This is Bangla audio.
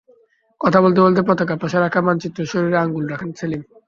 কথা বলতে বলতে পতাকার পাশে রাখা মানচিত্রের শরীরে আঙুল রাখেন সেলিম।